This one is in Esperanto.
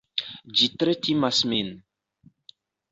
Ĝi tre timas min!